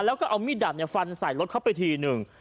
แล้วก็เอามีดดับฟันใส่รถเข้าไปทีหนึ่ง